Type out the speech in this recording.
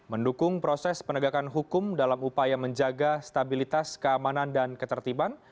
mendukung proses penegakan hukum dalam upaya menjaga stabilitas keamanan dan ketertiban